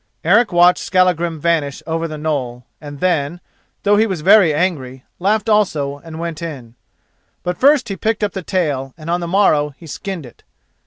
Eric watched Skallagrim vanish over the knoll, and then, though he was very angry, laughed also and went in. But first he picked up the tail, and on the morrow he skinned it.